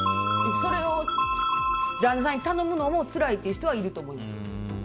それを旦那さんに頼むのもつらいっていう人はいると思います。